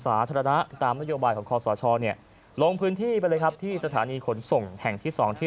สาธารณะตามนโยบายของคอสชเนี่ยลงพื้นที่ไปเลยครับที่สถานีขนส่งแห่งที่สองที่